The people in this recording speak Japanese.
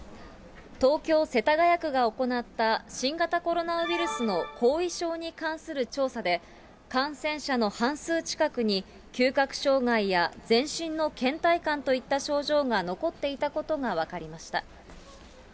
東京・世田谷区が行った新型コロナウイルスの後遺症に関する調査で、感染者の半数近くに嗅覚障害や全身のけん怠感といった症状が残っていたことが分かりました。